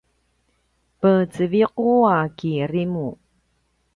peceviqu a kirimu